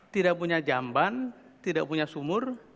tidak punya jamban tidak punya sumur